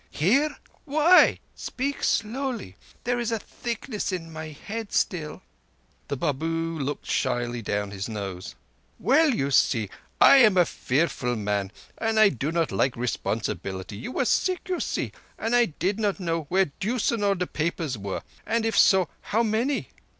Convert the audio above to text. "Here! Why? Speak slowly. There is a thickness in my head still." The Babu looked shyly down his nose. "Well, you see, I am fearful man, and I do not like responsibility. You were sick, you see, and I did not know where deuce an' all the papers were, and if so, how many.